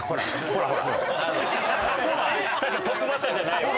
確かにトップバッターじゃない。